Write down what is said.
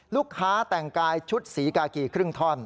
ลูกค้าแต่งกายชุดสีกากีครึ่งท่อน